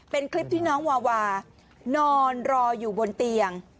เป็นคลิปที่น้องวาวานอนรออยู่บนเตียง